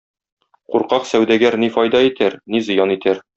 Куркaк сәүдәгәр ни фaйдa итәр, ни зыян итәр.